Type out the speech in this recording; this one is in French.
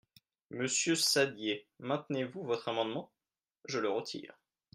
Monsieur Saddier, maintenez-vous votre amendement ? Je le retire.